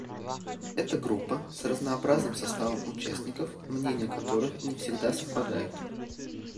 Это группа с разнообразным составом участников, мнения которых не всегда совпадают.